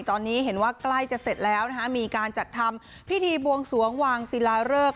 ตอนนี้เห็นว่าใกล้จะเสร็จแล้วนะคะมีการจัดทำพิธีบวงสวงวางศิลาเริก